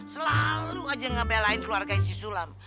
selalu aja ngebelain keluarga isi sulam